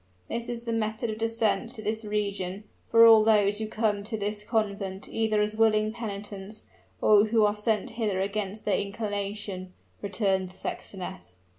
"This is the method of descent to this region, for all those who come to this convent either as willing penitents, or who are sent hither against their inclination," returned the sextoness.